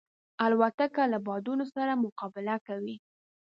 الوتکه له بادونو سره مقابله کوي.